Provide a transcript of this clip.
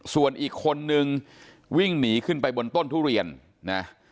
ส่วนอีกคนนึงวิ่งหนีขึ้นไปบนต้นทุเรียนนะ